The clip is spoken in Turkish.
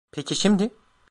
Peki şimdi?